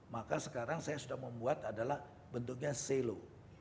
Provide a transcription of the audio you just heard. maka sekarang saya sudah membuat bentuknya silo